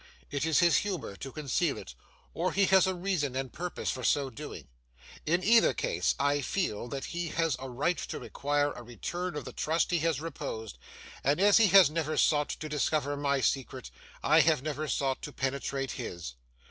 It is his humour to conceal it, or he has a reason and purpose for so doing. In either case, I feel that he has a right to require a return of the trust he has reposed; and as he has never sought to discover my secret, I have never sought to penetrate his.